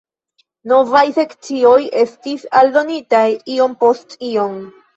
Novaj sekcioj estis aldonitaj iom post iom.